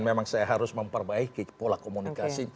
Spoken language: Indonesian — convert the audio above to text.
memang saya harus memperbaiki pola komunikasi